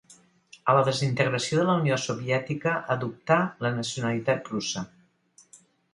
A la desintegració de la Unió Soviètica adoptà la nacionalitat russa.